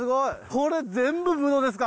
これ全部ブドウですか？